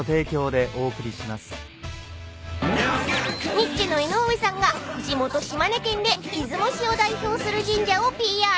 ［ニッチェの江上さんが地元島根県で出雲市を代表する神社をＰＲ］